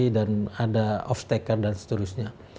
dan ada off stack dan seterusnya